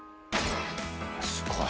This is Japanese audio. すごい。